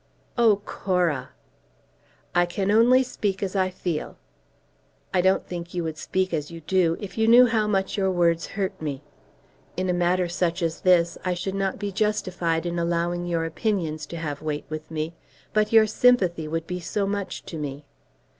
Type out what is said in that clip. "Oh, Cora!" "I can only speak as I feel." "I don't think you would speak as you do, if you knew how much your words hurt me. In such a matter as this I should not be justified in allowing your opinions to have weight with me. But your sympathy would be so much to me!"